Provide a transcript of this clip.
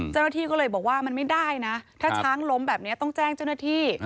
เจ้าหน้าที่ก็เลยบอกว่ามันไม่ได้นะถ้าช้างล้มแบบนี้ต้องแจ้งเจ้าหน้าที่